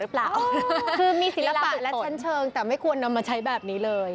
คือมีศิลปะแรกชันเชิงแต่ไม่ควรเอามาใช้แบบนี้เลย